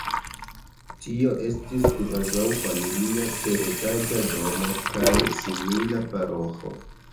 Tio estis kvazaŭ familia teretaĝa domo kaj simila paroĥo.